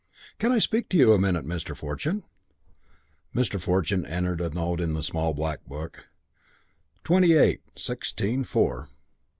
"Can I speak to you a minute, Mr. Fortune?" Mr. Fortune entered a note in the small black book: "Twenty eight, sixteen, four."